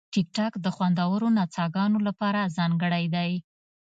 ټیکټاک د خوندورو نڅاګانو لپاره ځانګړی دی.